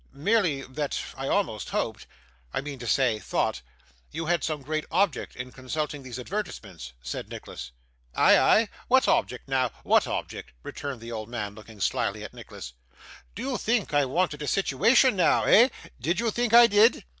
'Merely that I almost hoped I mean to say, thought you had some object in consulting those advertisements,' said Nicholas. 'Ay, ay? what object now what object?' returned the old man, looking slyly at Nicholas. 'Did you think I wanted a situation now eh? Did you think I did?